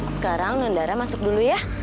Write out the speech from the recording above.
sekarang nundara masuk dulu ya